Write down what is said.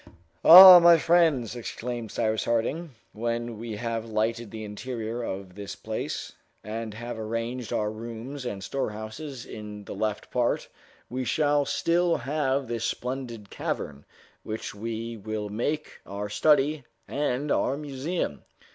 "Ah, my friends!" exclaimed Cyrus Harding, "when we have lighted the interior of this place, and have arranged our rooms and storehouses in the left part, we shall still have this splendid cavern, which we will make our study and our museum!"